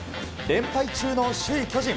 連敗中の首位、巨人。